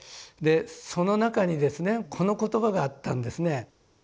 でその中にですねこの言葉があったんですね。